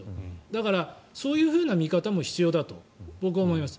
だから、そういうふうな見方も必要だと僕は思います。